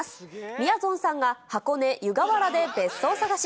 みやぞんさんが箱根、湯河原で別荘探し。